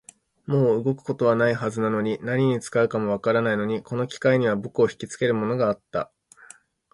もう動くことはないはずなのに、何に使うかもわからないのに、この機械には僕をひきつけるものがあった